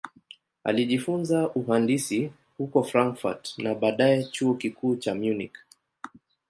Alijifunza uhandisi huko Frankfurt na baadaye Chuo Kikuu cha Munich.